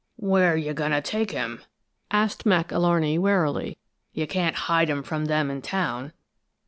"Where you goin' to take him?" asked Mac Alarney, warily. "You can't hide him from them in town."